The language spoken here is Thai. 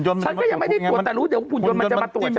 ฉันก็ยังไม่ได้ตรวจแต่รู้เดี๋ยวหุ่นยนต์มันจะมาตรวจฉัน